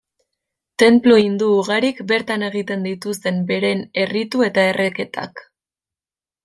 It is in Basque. Tenplu hindu ugarik bertan egiten dituzten beren erritu eta erreketak.